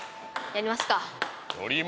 「やりますか」